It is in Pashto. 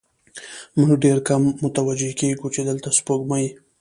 موږ ډېر کم متوجه کېږو، چې دلته سپوږمۍ